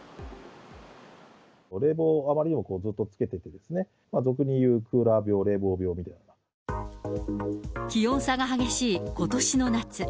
冷房をあまりにもずっとつけているとですね、俗にいうクーラー病、気温差が激しいことしの夏。